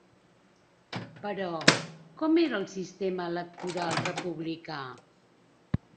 Però, ¿com era el sistema electoral republicà?